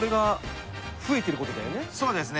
そうですね。